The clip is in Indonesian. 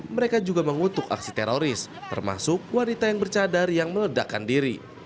mereka juga mengutuk aksi teroris termasuk wanita yang bercadar yang meledakkan diri